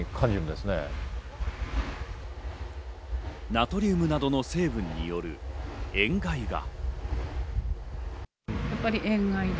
ナトリウムなどの成分による塩害が。